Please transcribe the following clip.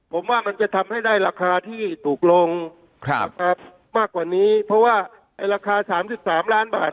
ผมว่ามันจะทำให้ได้ราคาที่ถูกลงมากกว่านี้เพราะว่าไอ้ราคา๓๓ล้านบาท